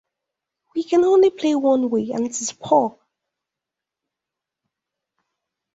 We can only play one way and it is poor.